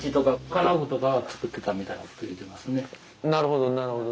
なるほどなるほど。